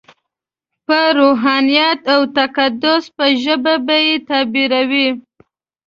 په روحانیت او تقدس په ژبه به یې تعبیروي.